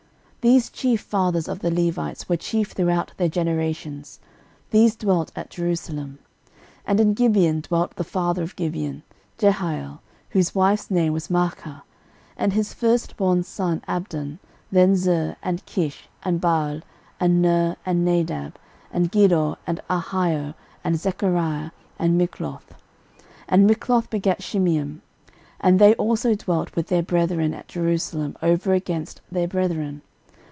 13:009:034 These chief fathers of the Levites were chief throughout their generations; these dwelt at Jerusalem. 13:009:035 And in Gibeon dwelt the father of Gibeon, Jehiel, whose wife's name was Maachah: 13:009:036 And his firstborn son Abdon, then Zur, and Kish, and Baal, and Ner, and Nadab. 13:009:037 And Gedor, and Ahio, and Zechariah, and Mikloth. 13:009:038 And Mikloth begat Shimeam. And they also dwelt with their brethren at Jerusalem, over against their brethren.